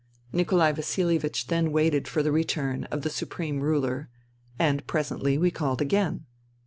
'* Nikolai Vasilievich then waited for the return of the Supreme Ruler ; and presently we called again.